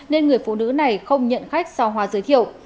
nên người phụ nữ này không nhận khách sau hoa giới thiệu